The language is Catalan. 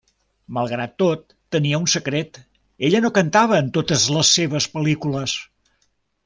Malgrat tot, tenia un secret: ella no cantava en totes les seves pel·lícules.